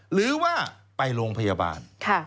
หรือว่าไปโรงพยาบาล